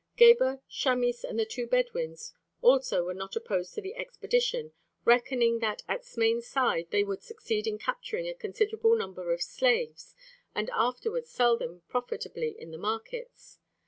Gebhr, Chamis, and the two Bedouins also were not opposed to the expedition, reckoning that at Smain's side they would succeed in capturing a considerable number of slaves, and afterwards sell them profitably in the markets.